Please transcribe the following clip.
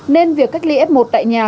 nên việc cách ly f một tại nhà